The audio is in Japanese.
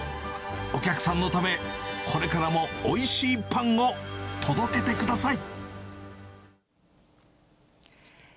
お客さんのため、これからもおいしいパンを届けてください。